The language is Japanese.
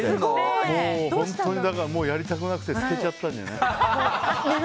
だから、本当にやりたくなくて捨てちゃったんじゃない？